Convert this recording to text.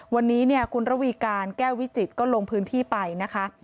วันนี้เนี่ยคุณระวีการแก้ววิจิตรก็ลงพื้นที่ไปนะคะ